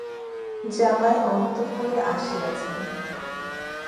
জামাই অন্তঃপুরে আসিয়াছেন।